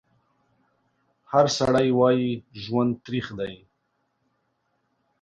هر سړی وایي ژوند تریخ دی